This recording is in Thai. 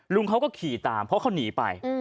ลุงเขาก็ขี่ตามเพราะเขาหนีไป